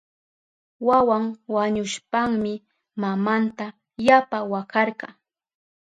Wawan wañushpanmi mamanta yapa wakarka.